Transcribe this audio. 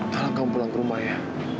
tolong kamu pulang ke rumah ya